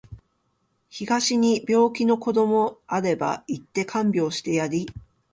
東に病気の子どもあれば行って看病してやり